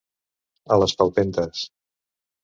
A les palpentes.